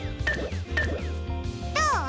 どう？